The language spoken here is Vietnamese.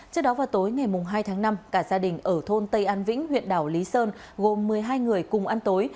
trước đó vào tối ngày hai tháng năm cả gia đình ở thôn tây an vĩnh huyện đảo lý sơn gồm một mươi hai người cùng ăn tối